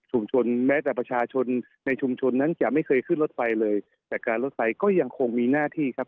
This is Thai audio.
แม้แต่ประชาชนในชุมชนนั้นจะไม่เคยขึ้นรถไฟเลยแต่การรถไฟก็ยังคงมีหน้าที่ครับ